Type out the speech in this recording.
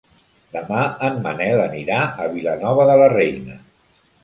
Demà en Manel anirà a Vilanova de la Reina.